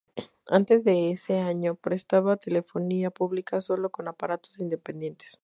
Antes de ese año, prestaba telefonía pública sólo con aparatos independientes.